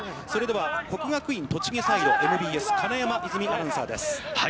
それでは国学院栃木ですけれど、ＭＢＳ金山泉アナウンサーです。